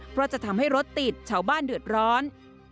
เพราะจะทำให้รถติดชาวบ้านเดือดร้อน